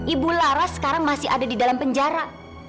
ibu lara sekarang masih ada di dalam penjara